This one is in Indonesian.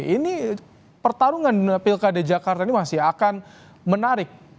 ini pertarungan pilkada jakarta ini masih akan menarik